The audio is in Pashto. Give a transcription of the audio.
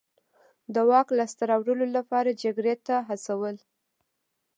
د واک لاسته راوړلو لپاره جګړې ته هڅول.